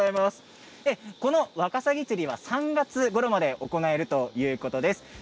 ワカサギ釣りは３月ごろまで行えるということです。